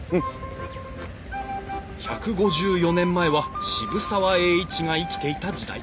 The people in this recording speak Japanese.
１５４年前は渋沢栄一が生きていた時代。